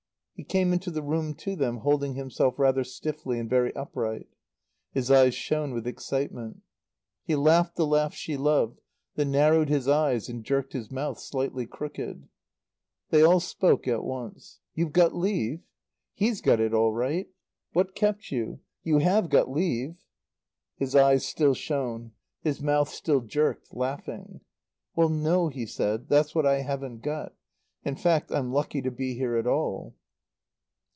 He came into the room to them, holding himself rather stiffly and very upright. His eyes shone with excitement. He laughed the laugh she loved, that narrowed his eyes and jerked his mouth slightly crooked. They all spoke at once. "You've got leave?" "He's got it all right." "What kept you?" "You have got leave?" His eyes still shone; his mouth still jerked, laughing. "Well, no," he said. "That's what I haven't got. In fact, I'm lucky to be here at all."